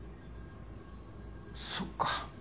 そっか。